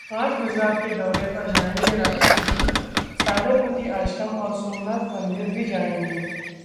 आज गुजरात के दौरे पर जाएंगे राष्ट्रपति, साबरमती आश्रम और सोमनाथ मंदिर भी जाएंगे